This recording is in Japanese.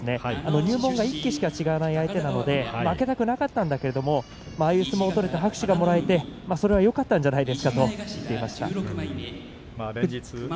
入門が１期しか違わない相手なので負けたくはなかったああいう相撲を取って拍手がもらえてよかったんじゃないですかという話をしていました。